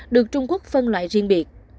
được trung quốc phân loại riêng biệt